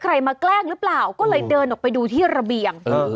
มาแกล้งหรือเปล่าก็เลยเดินออกไปดูที่ระเบียง